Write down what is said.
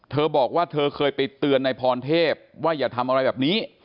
เธอบอกว่าเธอเคยไปเตือนนายพรเทพว่าอย่าทำอะไรแบบนี้